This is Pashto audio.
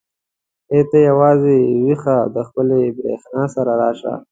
ای ته یوازې ويښه د خپلې برېښنا سره راشه.